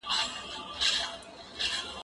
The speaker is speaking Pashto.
زه بايد ميوې وخورم،